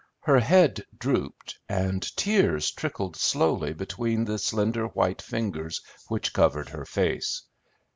Her head drooped, and tears trickled slowly between the slender white fingers which covered her face.